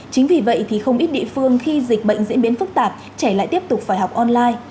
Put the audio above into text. chính vì vậy thì không ít địa phương khi dịch bệnh diễn biến phức tạp trẻ lại tiếp tục phải học online